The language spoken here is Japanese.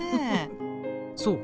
そう？